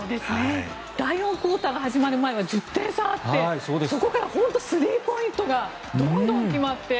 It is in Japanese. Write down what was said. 第４クオーターが始まる前は１０点差があってそこから本当にスリーポイントがどんどん決まって。